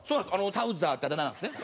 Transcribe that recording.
「サウザー」ってあだ名なんですね。